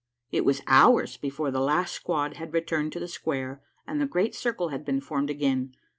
It was hours before the last squad had returned to the square and the Great Circle had been formed again.